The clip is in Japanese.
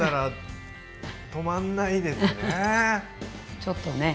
ちょっとね